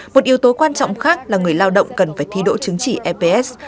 một yếu tố quan trọng khác là người lao động cần phải thi đỗ chứng chỉ eps